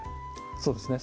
そうですね